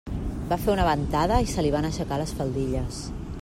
Va fer una ventada i se li van aixecar les faldilles.